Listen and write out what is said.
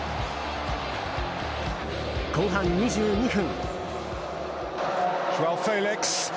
後半２２分。